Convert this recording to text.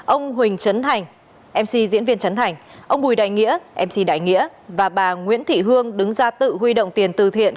ông huỳnh trấn thành mc diễn viên trấn thành ông bùi đại nghĩa mc đại nghĩa và bà nguyễn thị hương đứng ra tự huy động tiền từ thiện